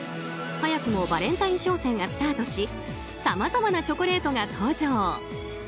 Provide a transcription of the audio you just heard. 早くもバレンタイン商戦がスタートしさまざまなチョコレートが登場。